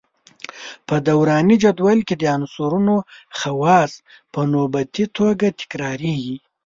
په دوراني جدول کې د عنصرونو خواص په نوبتي توګه تکراریږي.